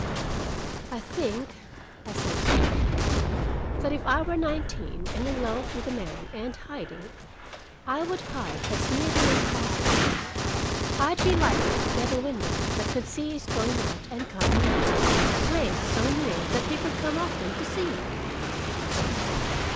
"I think," I said slowly, "that if I were nineteen, and in love with a man, and hiding, I would hide as near him as possible. I'd be likely to get a window that could see his going out and coming in, a place so near that he could come often to see me."